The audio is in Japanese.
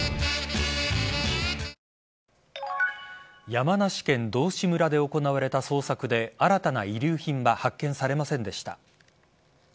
山梨県道志村で行われた捜索で新たな遺留品は発見されませんでした。